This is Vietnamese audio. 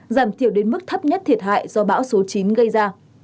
giảm thiểu đến mức thấp nhất thiệt hại do bão số chín gây ra